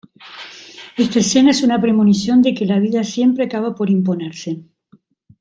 Esta escena es una premonición de que la vida siempre acaba por imponerse.